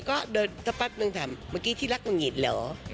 ก็เดินสักแป๊บนึงถามเมื่อกี้ที่รักมึงหิดเหรอ